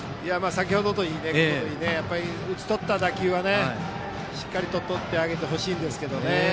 先程といい打ち取った打球はしっかりととってあげてほしいですけどね。